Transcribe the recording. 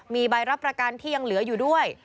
มีใบรับประกันที่ยังเหลืออยู่ด้วย